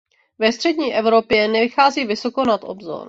Ve střední Evropě nevychází vysoko nad obzor.